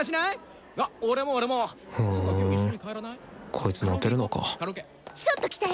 こいつモテるのかちょっと来て！